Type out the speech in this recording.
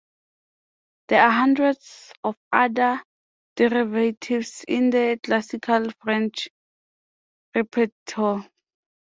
There are hundreds of other derivatives in the classical French repertoire.